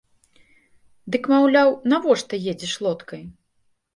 Дык, маўляў, навошта едзеш лодкай?